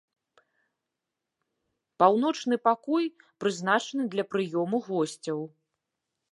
Паўночны пакой прызначаны для прыёму госцяў.